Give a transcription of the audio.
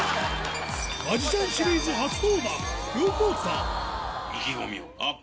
マジシャンシリーズ初登板ＯＫ！